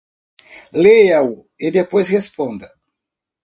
Leia-o e depois responda.